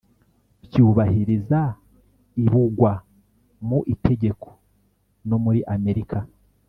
byubahiriza ib ugwa mu Itegeko no muri amerika